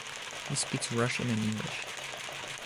He speaks Russian and English.